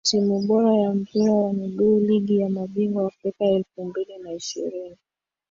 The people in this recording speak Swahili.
Timu bora ya Mpira wa Miguu Ligi ya Mabingwa Afrika elfu mbili na ishirini